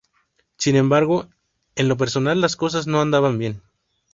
Sin embargo, en lo personal las cosas no andaban bien.